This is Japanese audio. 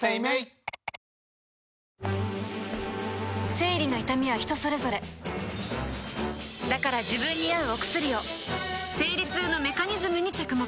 生理の痛みは人それぞれだから自分に合うお薬を生理痛のメカニズムに着目